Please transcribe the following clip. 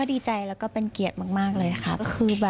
ดีฉันก็คือว่าไม่กล้าใกล้เลย